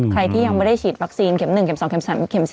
ใครที่ยังไม่ได้ฉีดวัคซีนเข็ม๑เม็ม๒เม็ม๓เม็ม๔